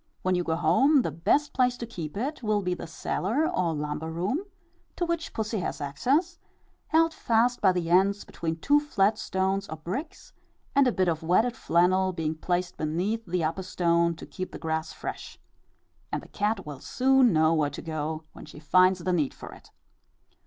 When you go home, the best place to keep it will be the cellar, or lumber room, to which pussy has access, held fast by the ends between two flat stones or bricks, a bit of wetted flannel being placed beneath the upper stone to keep the grass fresh; and the cat will soon know where to go when she finds the need for it.